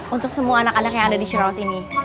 untuk semua anak anak yang ada di chiraus ini